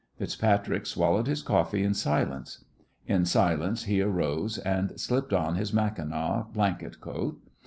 FitzPatrick swallowed his coffee in silence. In silence he arose and slipped on his mackinaw blanket coat.